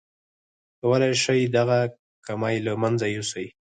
کولای شئ دغه کمی له منځه يوسئ.